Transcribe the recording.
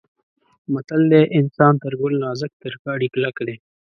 متل دی: انسان تر ګل نازک تر کاڼي کلک دی.